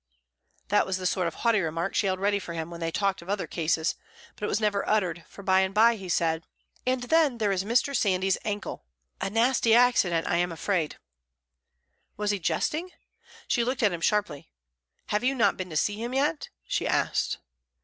That was the sort of haughty remark she held ready for him while they talked of other cases; but it was never uttered, for by and by he said: "And then, there is Mr. Sandys's ankle. A nasty accident, I am afraid." Was he jesting? She looked at him sharply. "Have you not been to see him yet?" she asked.